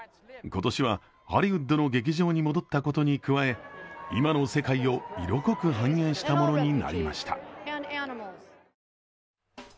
今年はハリウッドの劇場に戻ったことに加え、今の世界を色濃く反映したものになりました。